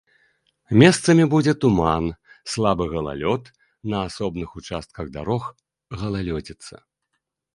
Месцамі будзе туман, слабы галалёд, на асобных участках дарог галалёдзіца.